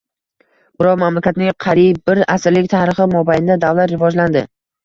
Biroq mamlakatning qariyb bir asrlik tarixi mobaynida davlat rivojlandi.